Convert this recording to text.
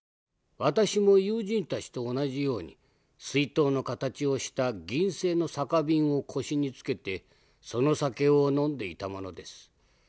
私も友人たちと同じように水筒の形をした銀製の酒瓶を腰につけてその酒を飲んでいたものです。